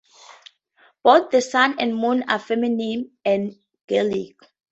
Both the sun and moon are feminine in Gaelic.